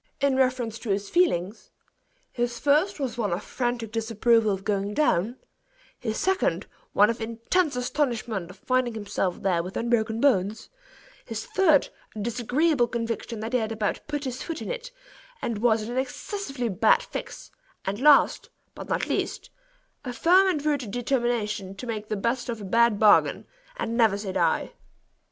In reference to his feelings his first was one of frantic disapproval of going down; his second, one of intense astonishment of finding himself there with unbroken bones; his third, a disagreeable conviction that he had about put his foot in it, and was in an excessively bad fix; and last, but not least, a firm and rooted determination to make the beet of a bad bargain, and never say die.